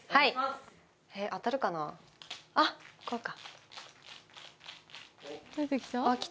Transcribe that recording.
あっこうか。